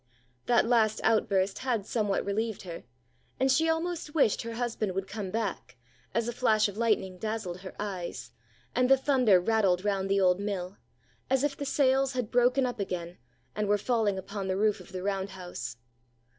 That last outburst had somewhat relieved her, and she almost wished her husband would come back, as a flash of lightning dazzled her eyes, and the thunder rattled round the old mill, as if the sails had broken up again, and were falling upon the roof of the round house.